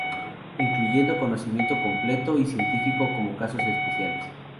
Incluye conocimiento completo y científico como casos especiales.